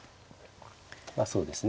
まあそうですね